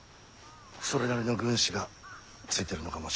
それなりの軍師がついてるのかもしれませんな。